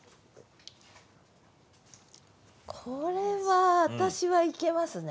これは私はいけますね